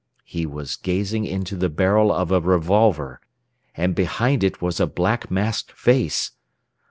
He was gazing into the barrel of a revolver, and behind it was a black masked face!